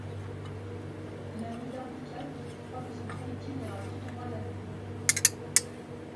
L’ami Barbicane croit que son projectile ira tout droit à la Lune.